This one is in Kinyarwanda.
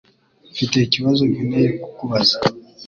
Mfite ikibazo nkeneye kukubaza.